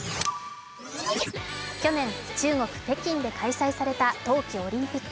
去年、中国・北京で開催された冬季オリンピック。